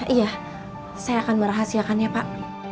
iya saya akan merahasiakannya pak